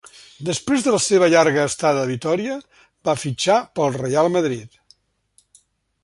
Després de la seva llarga estada a Vitòria va fitxar pel Reial Madrid.